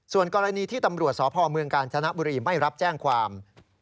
ส่วนกรณีที่ตำรวจสพเมืองกาญจนบุรีไม่รับแจ้งความ